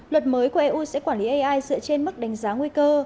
luật mới của eu sẽ quản lý ai dựa trên mức đánh giá nguy cơ